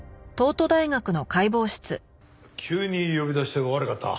急に呼び出して悪かった。